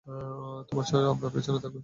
তোরা আমার পেছনেই থাক।